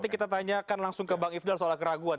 kita tanyakan langsung ke bang ifdal soal keraguan